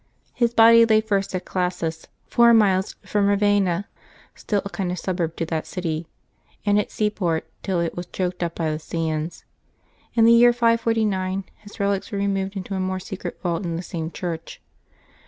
His body lay first at Classis, four miles from Ravenna, still a kind of suburb to that city, and its seaport till it was choked up by the sands. In the year 549 his relics were removed into a more secret vault in the same church.